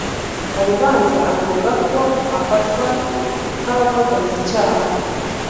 mu rubanza avuga ko abafatwa nk'abafatanyacyaha be